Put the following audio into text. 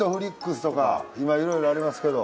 今いろいろありますけど。